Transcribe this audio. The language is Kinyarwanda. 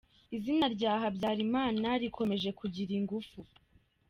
Izina rya Habyalimana rikomeje kugira ingufu